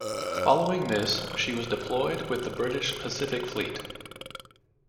Following this, she was deployed with the British Pacific Fleet.